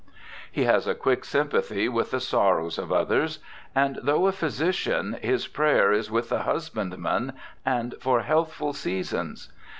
He has a quick sympath}' with SIR THOMAS BROWNE 275 the sorrows of others, and, though a physician, his prayer is with the husbandman and for healthful seasons.